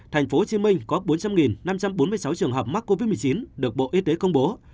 thành phố hồ chí minh có bốn trăm linh năm trăm bốn mươi sáu trường hợp mắc covid một mươi chín được bộ y tế công bố